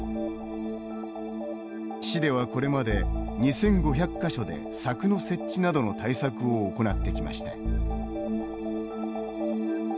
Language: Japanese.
市ではこれまで２５００か所で柵の設置などの対策を行ってきました。